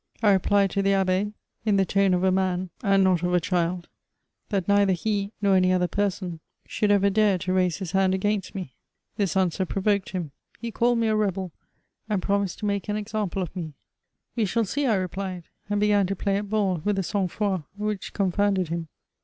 I replied to the Abb^, in the tone of a man and not of a child, that neither he nor any other person should ever dare to raise his hand against me." This answer provoked him ; he called me a rebel, and promised to make an Sample of me« We shall see," I replied, and began to play at ball with a sangfroid which confounded him.